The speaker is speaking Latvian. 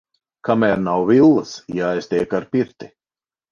Kamēr nav villas, jāiztiek ar pirti.